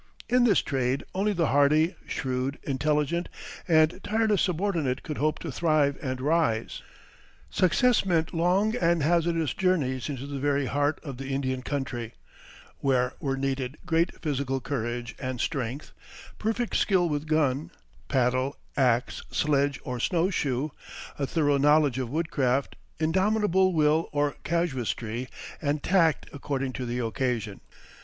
In this trade only the hardy, shrewd, intelligent, and tireless subordinate could hope to thrive and rise. Success meant long and hazardous journeys into the very heart of the Indian country, where were needed great physical courage and strength, perfect skill with gun, paddle, axe, sledge, or snow shoe, a thorough knowledge of wood craft, indomitable will or casuistry and tact according to the occasion.